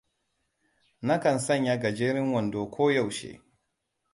Na kan sanya gajeren wando ko yaushe.